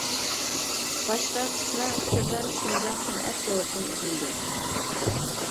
باشقا قىسمەن ئۇچۇرلار شىنجاڭ سەنئەت تورىدىن ئېلىندى.